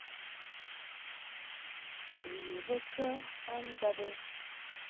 U ye bə kə ma ndab ɛ ?